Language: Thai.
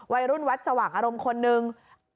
วัยรุ่นวัดสว่างอารมณ์คนนึง